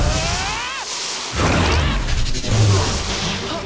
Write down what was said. あっ！